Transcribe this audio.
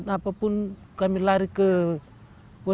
apapun kami lari ke